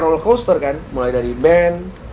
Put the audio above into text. role coaster kan mulai dari band